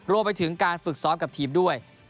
รวมไปถึงการฝึกซ้อมกับทีมด้วย